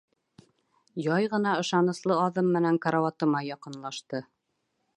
Яй ғына, ышаныслы аҙым менән карауатыма яҡынлашты.